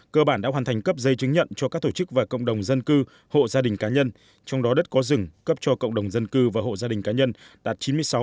cơ bản đã hoàn thành cấp giấy chứng nhận cho các tổ chức và cộng đồng dân cư hộ gia đình cá nhân trong đó đất có rừng cấp cho cộng đồng dân cư và hộ gia đình cá nhân đạt chín mươi sáu